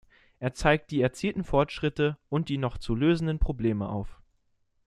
Er zeigt die erzielten Fortschritte und die noch zu lösenden Probleme auf.